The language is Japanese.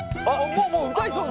もう歌いそう。